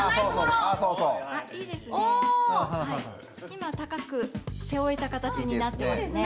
今高く背負えた形になってますね。